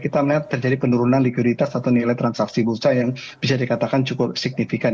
kita melihat terjadi penurunan likuiditas atau nilai transaksi bursa yang bisa dikatakan cukup signifikan